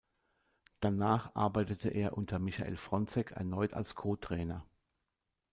Danach arbeitete er unter Michael Frontzeck erneut als Co-Trainer.